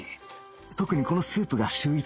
特にこのスープが秀逸だ